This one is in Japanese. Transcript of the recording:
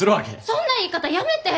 そんな言い方やめて！